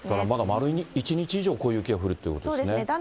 まだまる１日以上こういった雪が降るということですね。